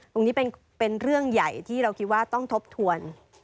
ตรงนี้เป็นเรื่องใหญ่ที่เราคิดว่าต้องทบทวน